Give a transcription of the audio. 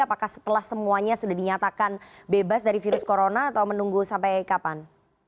apakah setelah semuanya sudah dinyatakan bebas dari virus corona atau menunggu sampai kapan